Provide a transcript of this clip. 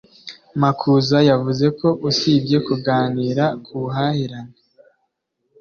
Makuza yavuze ko usibye kuganira ku buhahirane